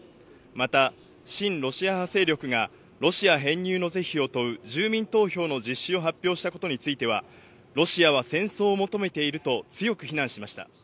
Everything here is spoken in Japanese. また親ロシア派勢力がロシア編入の是非を問う住民投票の実施を発表したことについては、ロシアは戦争を求めていると強く非難しました。